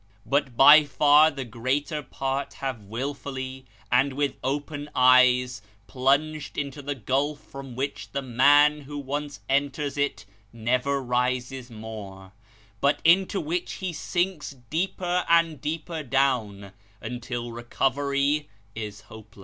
But by far the greater part have wilfully, and with open eyes, plunged into the gulf from which the man who once enters it never rises more, but into which he sinks deeper and deeper down, until recovery is hopeless.